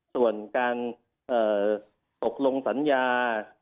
ส่วนการตกลงสัญญา